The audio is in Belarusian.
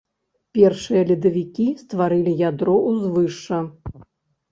Першыя ледавікі стварылі ядро ўзвышша.